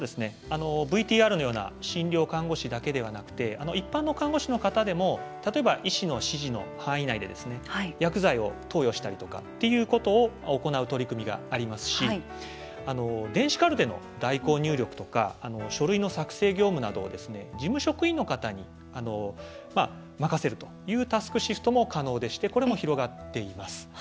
ＶＴＲのような診療看護師だけではなくて一般の看護師の方でも、例えば医師の指示の範囲内で薬剤を投与したりとかっていうことを行う取り組みがありますし電子カルテの代行入力とか書類の作成業務など事務職員の方に任せるというタスクシフトも可能でしてこれも広がっています。